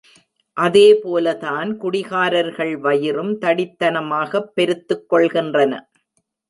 அதேபோல தான், குடிகாரர்கள் வயிறும் தடித்தனமாகப் பெருத்துக் கொள்கின்றன.